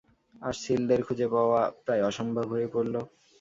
আর সিলদের খুঁজে পাওয়া প্রায় অসম্ভব হয়ে পড়ল।